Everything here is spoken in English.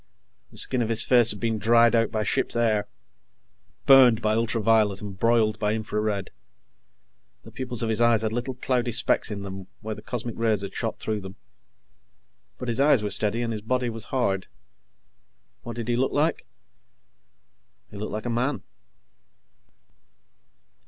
The skin of his face had been dried out by ship's air, burned by ultraviolet and broiled by infra red. The pupils of his eyes had little cloudy specks in them where the cosmic rays had shot through them. But his eyes were steady and his body was hard. What did he look like? He looked like a man.